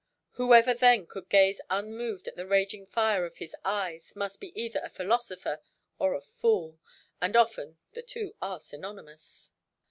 Whoever then could gaze unmoved at the raging fire of his eyes must be either a philosopher or a fool—and often the two are synonymous.